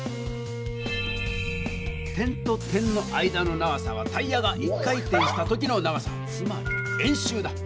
点と点の間の長さはタイヤが１回転した時の長さつまり円周だ！